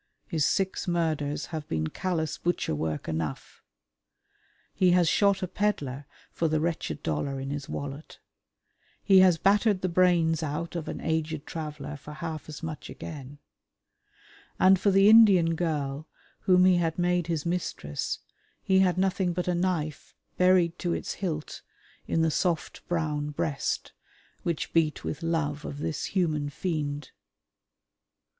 His six murders have been callous butcher work enough. He has shot a pedlar for the wretched dollar in his wallet; he has battered the brains out of an aged traveller for half as much again, and for the Indian girl whom he had made his mistress he had nothing but a knife buried to its hilt in the soft brown breast which beat with love of this human fiend.